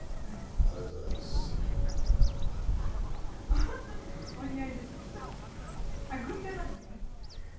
あっ軍手なんですね。